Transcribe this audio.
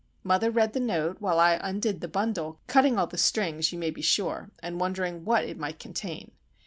Mother read the note, while I undid the bundle, cutting all the strings, you may be sure, and wondering what it might contain.